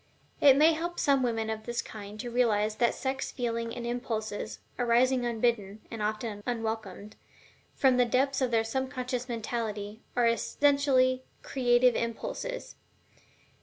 It may help some women of this kind to realize that the sex feeling and impulses, arising unbidden (and often unwelcomed) from the depths of their subconscious mentality, are essentially CREATIVE impulses.